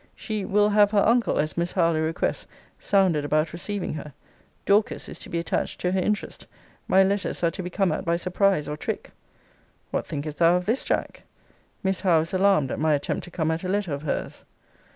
She 'will have her uncle,' as Miss Harlowe requests, 'sounded about receiving her. Dorcas is to be attached to her interest: my letters are to be come at by surprise or trick' What thinkest thou of this, Jack? Miss Howe is alarmed at my attempt to come at a letter of hers.